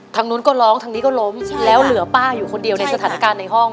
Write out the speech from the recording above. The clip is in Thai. นู้นก็ร้องทางนี้ก็ล้มแล้วเหลือป้าอยู่คนเดียวในสถานการณ์ในห้อง